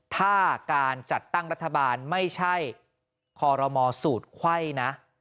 ถ้าการจัดตั้งรัฐบาลไม่ใช่คอรมอสูตรไขว้นะ